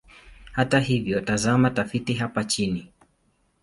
Hata hivyo, tazama tafiti hapa chini.